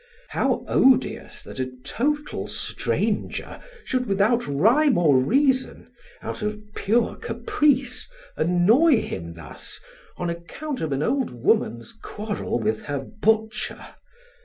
How odious that a total stranger should without rhyme or reason, out of pure caprice, annoy him thus on account of an old, woman's quarrel with her butcher!